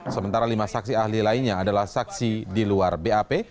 sementara lima saksi ahli lainnya adalah saksi di luar bap